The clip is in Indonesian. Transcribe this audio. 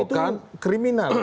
menurut kita itu kriminal